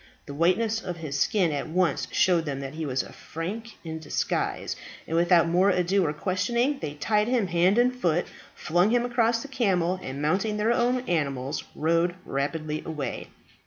The whiteness of his skin at once showed them that he was a Frank in disguise, and without more ado or questioning, they tied him hand and foot, flung him across the camel, and, mounting their own animals, rode rapidly away.